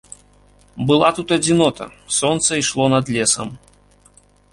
Была тут адзінота, сонца ішло над лесам.